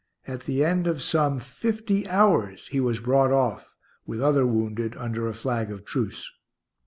At the end of some fifty hours he was brought off, with other wounded, under a flag of truce.